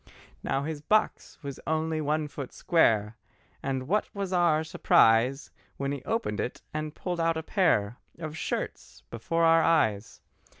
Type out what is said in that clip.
Now his box was only one foot square, And what was our surprise When he opened it and pulled out a pair Of shirts before our eyes!